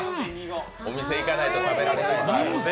お店行かないと食べられない。